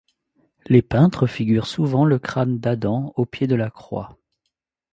Les peintres figurent souvent le crâne d'Adam au pied de la croix.